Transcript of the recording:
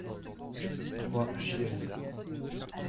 trois chiennes.